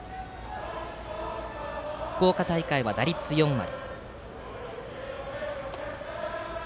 福岡大会は打率４割。